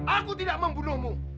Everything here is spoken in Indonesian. aku tidak membunuhmu